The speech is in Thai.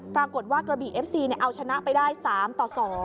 ปรากฏว่ากระบี่เอฟซีเอาชนะไปได้๓ต่อ๒